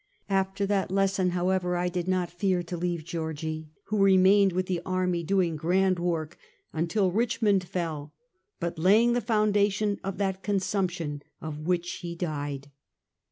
After that lesson, however, I did not fear to leave Georgie, who remained with the army, doing grand work, until Richmond fell, but la^^ing the foundation of that consumption, of which she died.